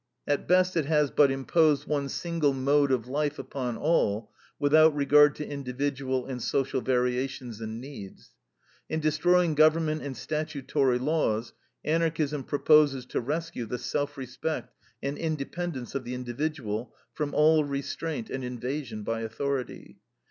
At best it has but imposed one single mode of life upon all, without regard to individual and social variations and needs. In destroying government and statutory laws, Anarchism proposes to rescue the self respect and independence of the individual from all restraint and invasion by authority.